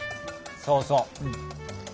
そうそう。